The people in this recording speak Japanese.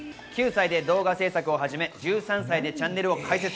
９歳で動画制作を始め、１３歳でチャンネルを開設。